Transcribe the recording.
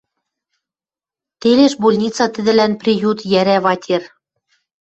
Телеш больница тӹдӹлӓн приют, йӓрӓ ватер.